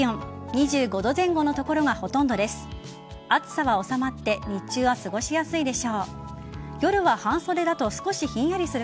２５度前後の所がほとんどです。